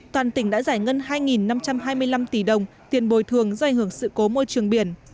toàn tỉnh đã giải ngân hai năm trăm hai mươi năm tỷ đồng tiền bồi thường do ảnh hưởng sự cố môi trường biển